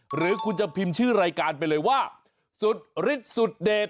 หรือคุณจะพิมพ์ชื่อรายการไปเลยว่าสุดฤทธิสุดเด็ด